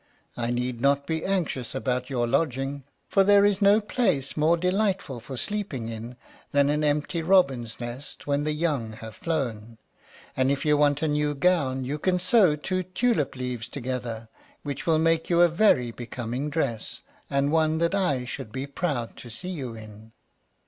I need not be anxious about your lodging, for there is no place more delightful for sleeping in than an empty robin's nest when the young have flown. And if you want a new gown, you can sew two tulip leaves together, which will make you a very becoming dress, and one that I should be proud to see you in."